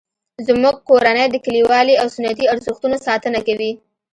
زموږ کورنۍ د کلیوالي او سنتي ارزښتونو ساتنه کوي